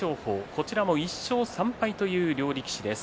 こちらも１勝３敗という両力士です。